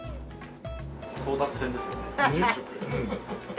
争奪戦ですよね